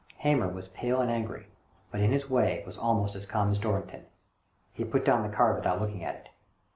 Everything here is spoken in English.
Hamer was pale and angry, but, in his way, was almost as calm as Dorrington. He put down the card without looking at it.